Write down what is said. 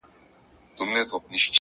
د درد د كړاوونو زنده گۍ كي يو غمى دی’